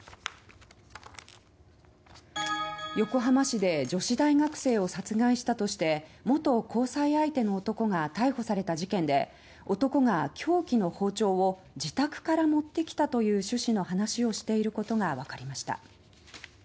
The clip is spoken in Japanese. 横浜市で女子大学生を殺害したとして元交際相手の男が逮捕された事件で男が凶器の包丁を自宅から持ってきたという趣旨の話をしていることがわかりました。